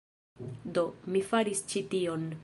Do, mi faris ĉi tion